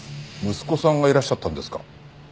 息子さんがいらっしゃったんですか？